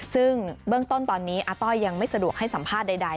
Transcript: ซึ่งเบื้องต้นตอนนี้อาต้อยยังไม่สะดวกให้สัมภาษณ์ใด